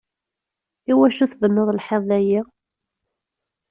Iwacu tbennuḍ lḥiḍ dayi?